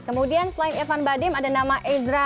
kemudian selain irfan bahdim ada nama eirvan